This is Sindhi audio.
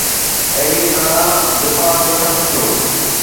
اهڙيءَ طرح دفاع تي خرچ ٿيو